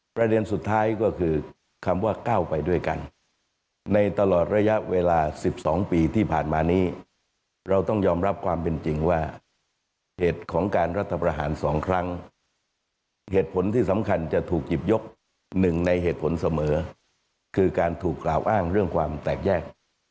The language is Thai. ประเด็นสุดท้ายก็คือคำว่าก้าวไปด้วยกันในตลอดระยะเวลา๑๒ปีที่ผ่านมานี้เราต้องยอมรับความเป็นจริงว่าเหตุของการรัฐประหาร๒ครั้งเหตุผลที่สำคัญจะถูกหยิบยกหนึ่งในเหตุผลเสมอคือการถูกกล่าวอ้างเรื่องความแตกแยก